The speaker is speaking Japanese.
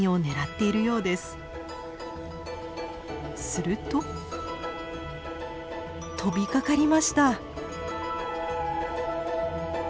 すると飛びかかりました。